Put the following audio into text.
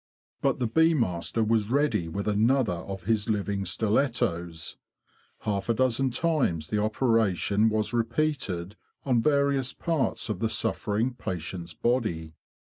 But the bee master was ready with another of his living stilettos. Half a dozen times the operation F 82 THE BEE MASTER OF WARRILOW was repeated on various parts of the suffering patient's body.